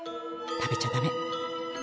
食べちゃダメ。